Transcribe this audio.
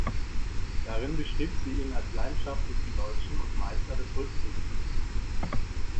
Darin beschrieb sie ihn als leidenschaftlichen Deutschen und Meister des Rückzugs.